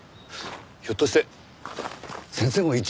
ひょっとして先生も一員？